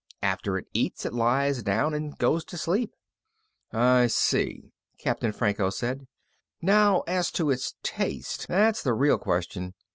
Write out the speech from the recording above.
After it eats it lies down and goes to sleep." "I see," Captain Franco said. "Now, as to its taste. That's the real question.